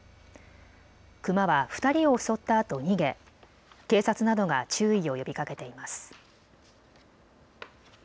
クマは２人を襲ったあと逃げ、警察などが注意を呼びかけています。